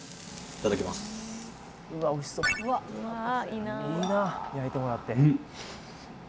いいな焼いてもらって。